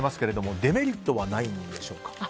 デメリットはないんでしょうか。